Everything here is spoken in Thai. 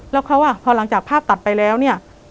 แล้วเขาอ่ะพอหลังจากภาพตัดไปแล้วเนี่ย